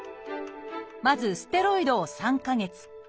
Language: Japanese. まずステロイドを３か月。